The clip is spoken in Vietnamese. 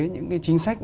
những cái chính sách